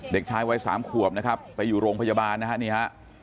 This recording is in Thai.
เด็กชายวัยสามขวบนะครับไปอยู่โรงพยาบาลนะฮะนี่ฮะ